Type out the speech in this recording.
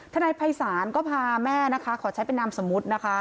นายภัยศาลก็พาแม่นะคะขอใช้เป็นนามสมมุตินะคะ